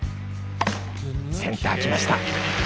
センター来ました。